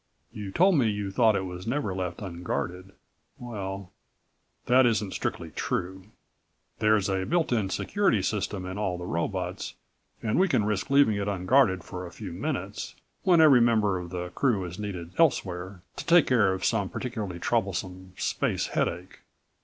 You told me you thought it was never left unguarded. Well ... that isn't strictly true. There's a built in security alert system in all of the robots and we can risk leaving it unguarded for a few minutes, when every member of the crew is needed elsewhere, to take care of some particularly troublesome space headache.